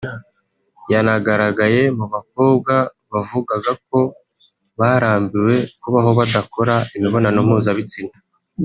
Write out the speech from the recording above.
yanagaragaye mu bakobwa bavugaga ko barambiwe kubaho badakora imibonano mpuzabitsina